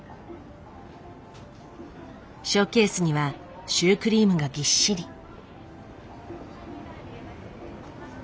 ショーケースにはシュークリームがぎっしり。